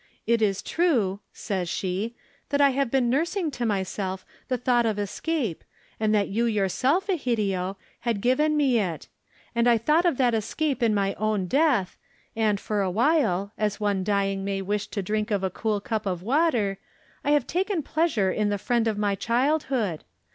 It is true," says she, "that I have been nursing to myself the thought of escape, and you yourself, Egidio, had given me it. And I thought of that escape in my own death, and for a while, as one dying may wish to drink of a cool cup of water, I have taken pleasure in the friend of my childhood.